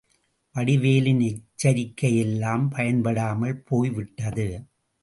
வடிவேலின் எச்சரிக்கையெல்லாம் பயன்படாமல் போய்விட்டது.